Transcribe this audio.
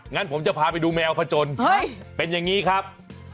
งั้นผมจะพาไปดูแมวผจนเป็นอย่างนี้ครับ